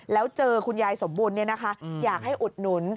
แล้วเจอคุณยายสมบูรณ์อยากให้อุดหนุน